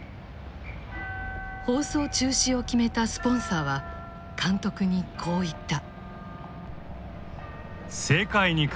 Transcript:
放送中止を決めたスポンサーは監督にこう言った。